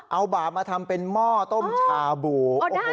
เอาบ่ามาทำเป็นหม้อต้มชาบู